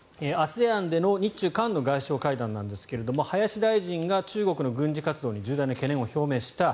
ＡＳＥＡＮでの日中韓の外相会談なんですが林大臣が中国の軍事活動に重大な懸念を示した。